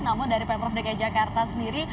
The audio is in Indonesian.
namun dari pemprov dki jakarta sendiri